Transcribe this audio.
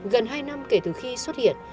gần hai năm kể từ khi xuất hiện